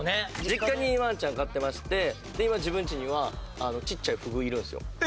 実家にワンちゃん飼ってまして今自分ちにはちっちゃいフグいるんですよ。